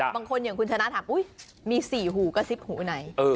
บางคนอย่างคุณชนะถามมี๔หูกระซิบหูไหน